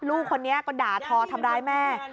ลูกคนนี้ก็ด่าทอทำร้ายแม่